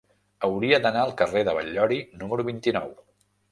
Hauria d'anar al carrer de Batllori número vint-i-nou.